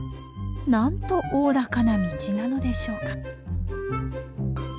なんとおおらかな道なのでしょうか。